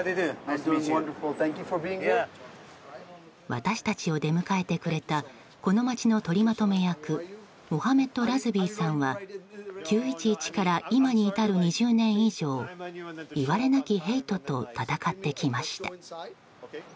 私たちを出迎えてくれたこの街のとりまとめ役モハメッド・ラズビーさんは９・１１から今に至る２０年以上いわれなきヘイトと戦ってきました。